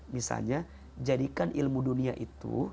misalnya jadikan ilmu dunia itu